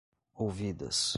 ouvidas